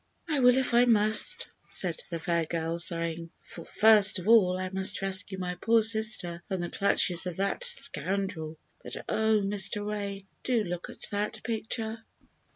"I will if I must," said the fair girl, sighing; "for first of all I must rescue my poor sister from the clutches of that scoundrel—but oh, Mr. Ray, do look at that picture!"